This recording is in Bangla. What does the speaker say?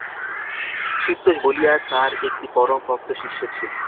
শিবতোষ বলিয়া তাঁর একটি পরম ভক্ত শিষ্য ছিল।